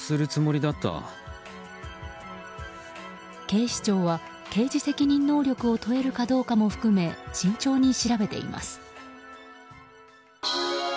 警視庁は刑事責任能力を問えるかどうかも含め慎重に調べています。